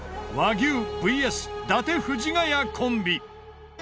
和牛ＶＳ伊達・藤ヶ谷コンビ。